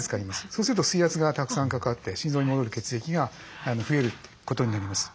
そうすると水圧がたくさんかかって心臓に戻る血液が増えることになります。